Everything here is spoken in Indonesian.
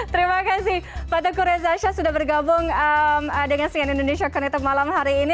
terima kasih pak teguh reza shah sudah bergabung dengan sian indonesia connected malam hari ini